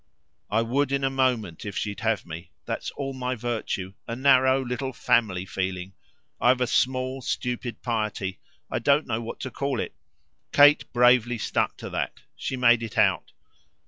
"I would in a moment if she'd have me. That's all my virtue a narrow little family feeling. I've a small stupid piety I don't know what to call it." Kate bravely stuck to that; she made it out.